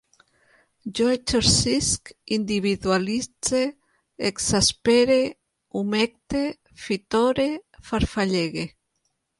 Jo exercisc, individualitze, exaspere, humecte, fitore, farfallege